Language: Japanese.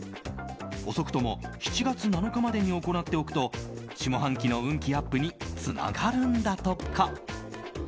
遅くとも７月７日までに行っておくと下半期の運気アップにつながるんだとか。